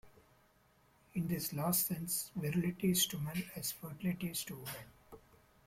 In this last sense, virility is to men as fertility is to women.